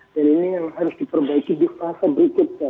dan ini yang harus diperbaiki di fase berikutnya